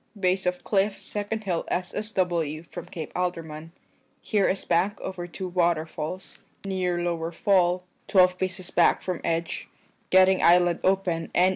Bayse of cliff second hill S.S.W. from Cape Alderman. Here is bank over 2 waterfals. Neer lower fall, 12 paces back from egge, getting island open N.E.